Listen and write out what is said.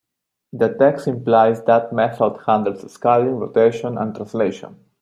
The text implies that method handles scaling, rotation, and translation.